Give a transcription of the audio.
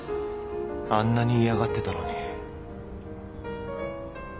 あんなに嫌がってたのに。